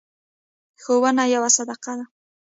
ښوونه یوه صدقه ده.